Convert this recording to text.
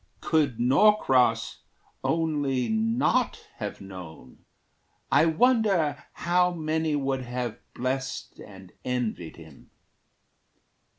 Could Norcross only not have known, I wonder How many would have blessed and envied him!